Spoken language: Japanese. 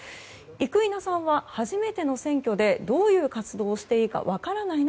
生稲さんは初めての選挙でどういう活動をしていいか分からない